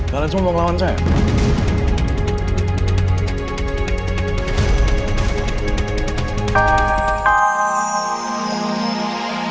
kalian semua mau ngelawan saya